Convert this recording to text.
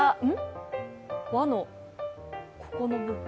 ワのここの部分。